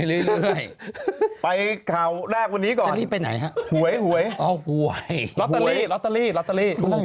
เราไปกันทุกที่นะครับเราเนี่ย